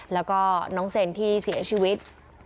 แล้วก็น้องเซนที่เสียชีวิต